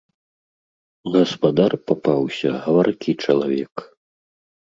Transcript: Гаспадар папаўся гаваркі чалавек.